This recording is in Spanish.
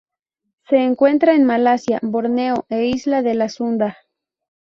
Se encuentra en Malasia Borneo e isla de la Sunda.